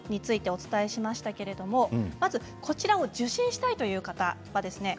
お伝えしましたけれどもまずこちらを受診したいという方はですね